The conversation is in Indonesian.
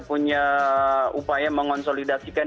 punya upaya mengonsolidasikan